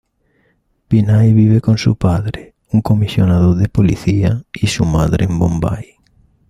Vinay vive con su padre, un comisionado de policía y su madre en Bombay.